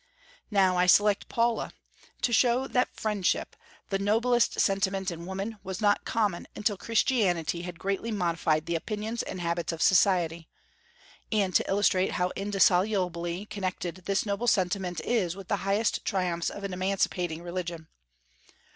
Now, I select Paula, to show that friendship the noblest sentiment in woman was not common until Christianity had greatly modified the opinions and habits of society; and to illustrate how indissolubly connected this noble sentiment is with the highest triumphs of an emancipating religion.